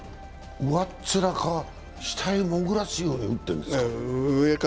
上っ面から下へ潜らすように打ってるんですか？